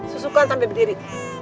susukan sampai berdiri